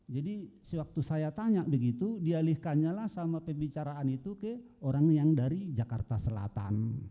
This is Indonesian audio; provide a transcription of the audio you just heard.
jadi sewaktu saya tanya begitu dialihkannya lah sama pembicaraan itu ke orang yang dari jakarta selatan